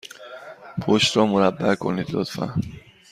پشت را مربع کنید، لطفا.